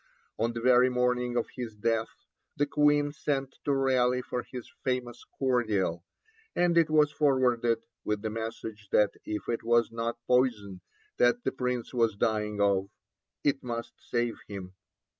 On the very morning of his death the Queen sent to Raleigh for his famous cordial, and it was forwarded, with the message that if it was not poison that the Prince was dying of, it must save him.